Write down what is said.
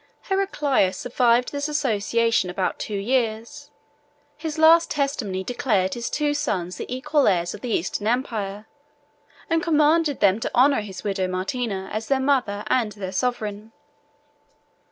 Heraclius survived this association about two years: his last testimony declared his two sons the equal heirs of the Eastern empire, and commanded them to honor his widow Martina as their mother and their sovereign.